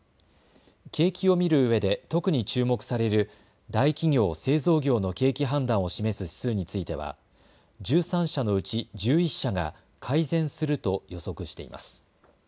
景気を見るうえで特に注目される大企業・製造業の景気判断を示す指数については１３社のうち１１社が改善すると予測しています。